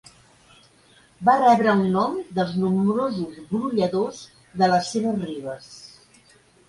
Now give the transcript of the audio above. Va rebre el nom dels nombrosos brolladors de les seves ribes.